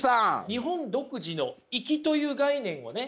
日本独自の「いき」という概念をね